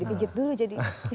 dipijat dulu jadi